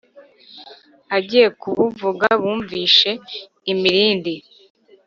agiye kubuvuga bumvishe imirindi